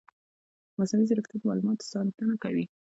مصنوعي ځیرکتیا د معلوماتو ساتنه مهمه کوي.